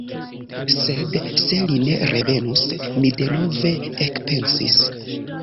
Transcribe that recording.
Sed se li ne revenus? Mi denove ekpensis.